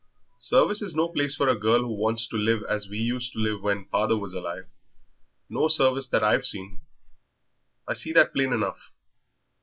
"Service is no place for a girl who wants to live as we used to live when father was alive no service that I've seen. I see that plain enough.